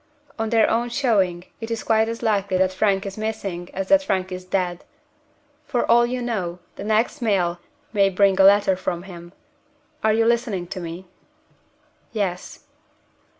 On their own showing, it is quite as likely that Frank is missing as that Frank is dead. For all you know, the next mail may bring a letter from him. Are you listening to me?" "Yes."